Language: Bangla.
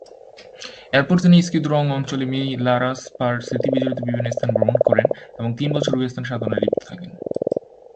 এরপর তিনি স্ক্যিদ-রোং অঞ্চলে মি-লা-রাস-পার স্মৃতি বিজড়িত বিভিন্ন স্থানে ভ্রমণ করেন এবং তিন বছর ঐ স্থানে সাধনায় লিপ্ত থাকেন।